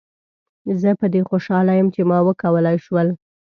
زه په دې خوشحاله یم چې ما وکولای شول.